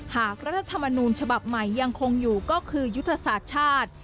รัฐธรรมนูญฉบับใหม่ยังคงอยู่ก็คือยุทธศาสตร์ชาติ